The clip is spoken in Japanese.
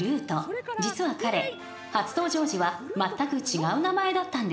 ［実は彼初登場時はまったく違う名前だったんです］